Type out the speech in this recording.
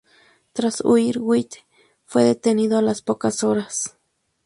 Tras huir, White fue detenido a las pocas horas.